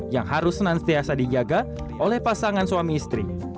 yang harus senang setiasa digiaga oleh pasangan suami istri